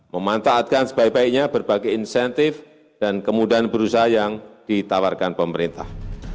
memanfaatkan sebaik baiknya berbagai insentif dan kemudahan berusaha yang ditawarkan pemerintah